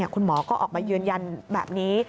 คุณหมอก็ออกมายืนยันแบบนี้